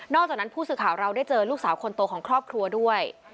จากนั้นผู้สื่อข่าวเราได้เจอลูกสาวคนโตของครอบครัวด้วย